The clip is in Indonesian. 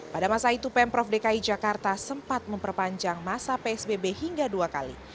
pada masa itu pemprov dki jakarta sempat memperpanjang masa psbb hingga dua kali